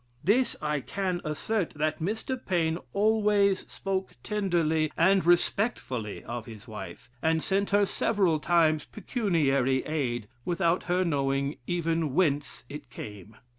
This I can assert, that Mr. Paine always spoke tenderly and respectfully of his wife; and sent her several times pecuniary aid, without her knowing even whence it came."